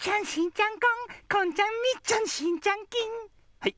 はい。